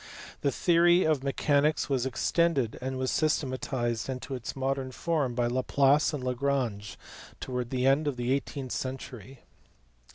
The theory of mechanics was extended and was systematized into its modern form by Laplace and Lagrange towards the end of the eighteenth century.